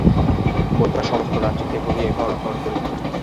বৈদ্যনাথ সমস্ত রাত্রি কেবলই এঘর ওঘর করিলেন।